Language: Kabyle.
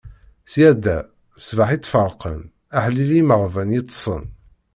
Ṣṣyada, ṣbaḥ i tt-ferqen; aḥlil i yimeɣban yeṭṭsen.